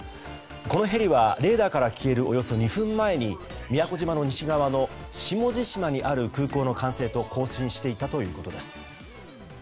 このヘリはレーダーから消えるおよそ２分前に宮古島の西側の下地島にある空港の管制と交信していたということです。